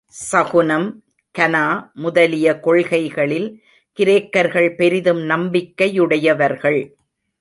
சகுனம், கனா முதலிய கொள்கைகளில் கிரேக்கர்கள் பெரிதும் நம்பிக்கையுடையவர்கள்.